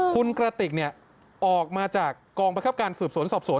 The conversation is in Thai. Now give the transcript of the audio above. คุณกระติกออกมาจากกองประคับการสืบสวนสอบสวน